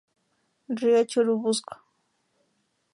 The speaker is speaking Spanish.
Río Churubusco.